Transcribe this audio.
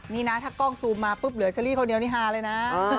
นี่นะถ้ากล้องซูมมาปุ๊บเหลือเชอรี่คนเดียวนี่ฮาเลยนะ